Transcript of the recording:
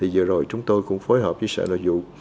vừa rồi chúng tôi cũng phối hợp với sở nội vụ